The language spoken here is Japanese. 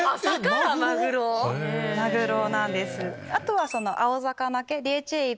あとは。